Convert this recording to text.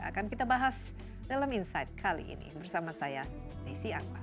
akan kita bahas dalam insight kali ini bersama saya desi anwar